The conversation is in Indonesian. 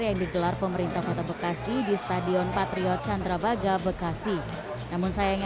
yang digelar pemerintah kota bekasi di stadion patriot candrabaga bekasi namun sayangnya